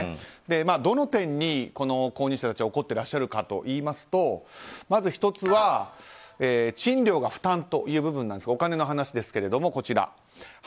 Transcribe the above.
どの点に購入者たちは怒っていらっしゃるかといいますとまず１つは賃料が負担という部分なんですがお金の話ですけれども、こちら。